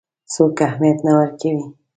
څوک اهمیت نه ورکوي.